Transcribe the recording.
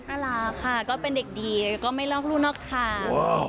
น่ารักค่ะก็เป็นเด็กดีแล้วก็ไม่ลอกรูนอกทาง